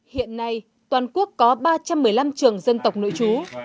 hiện nay toàn quốc có ba trăm một mươi năm trường dân tộc nội chú